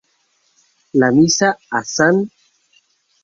La misa a Sn.